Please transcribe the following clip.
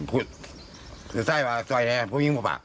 ผู้หญิงผู้หญิงผู้หญิงผู้หญิงผู้หญิงผู้หญิง